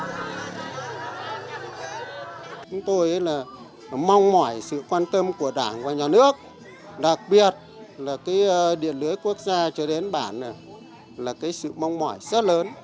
chúng tôi là mong mỏi sự quan tâm của đảng và nhà nước đặc biệt là cái điện lưới quốc gia cho đến bản là cái sự mong mỏi rất lớn